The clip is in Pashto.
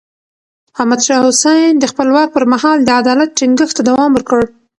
احمد شاه حسين د خپل واک پر مهال د عدالت ټينګښت ته دوام ورکړ.